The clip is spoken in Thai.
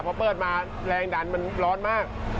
พอเปิดมาแรงดันมันร้อนมาก